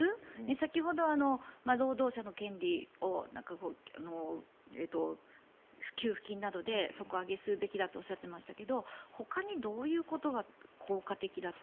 先ほど労働者の権利を給付金などで底上げすべきだとおっしゃっていましたが他にどういうことが効果的だと。